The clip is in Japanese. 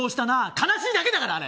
悲しいだけだから、あれ！